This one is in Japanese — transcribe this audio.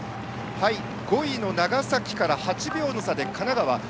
５位の長崎から８秒の差で神奈川。